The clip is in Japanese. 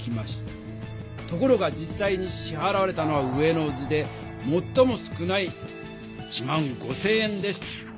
ところが実さいにしはらわれたのは上の図でもっとも少ない１５０００円でした。